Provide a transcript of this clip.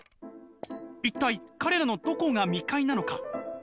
「一体彼らのどこが未開なのか？